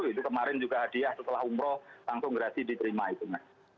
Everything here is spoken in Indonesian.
itu kemarin juga hadiah setelah umroh langsung gerasi diterima itu mas